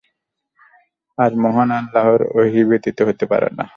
আর এটা মহান আল্লাহর ওহী ব্যতীত হতে পারে না।